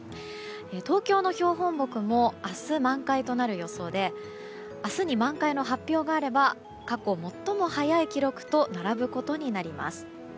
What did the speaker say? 東京の標本木も明日、満開となる予想で明日に満開の発表があれば過去最も早い記録と並ぶことになります。